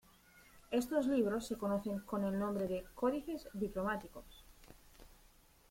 Estos libros se conocen con el nombre de "códices diplomáticos".